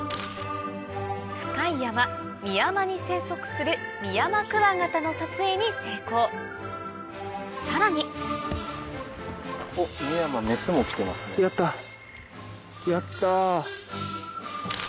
・深い山「深山」に生息するミヤマクワガタの撮影に成功さらに・やった！